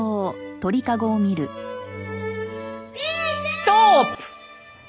ストーップ！